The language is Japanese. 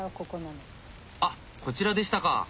あっこちらでしたか。